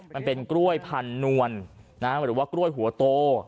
มันเป็นกล้วยพันนวลหรือว่ากล้วยหัวโต